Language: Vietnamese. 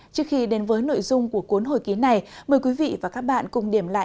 trước khi đến với nội dung của cuốn hồi ký này mời quý vị và các bạn cùng điểm lại